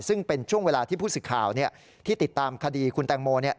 ซึ่งเป็นช่วงเวลาที่ผู้สึกข่าวเนี่ยที่ติดตามคดีคุณแตงโมเนี่ย